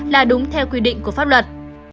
là đúng theo quy định của pháp luật